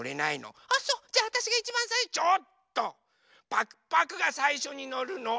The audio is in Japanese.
パクパクがさいしょにのるの。